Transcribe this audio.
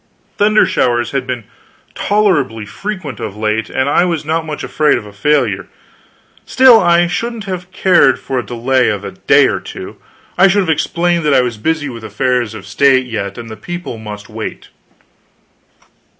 Thunder showers had been tolerably frequent of late, and I was not much afraid of a failure; still, I shouldn't have cared for a delay of a day or two; I should have explained that I was busy with affairs of state yet, and the people must wait.